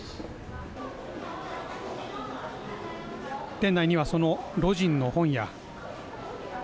店内にはその魯迅の本や。